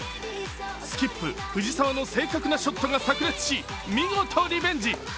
スキップ・藤澤の正確なショットがさく裂し見事リベンジ。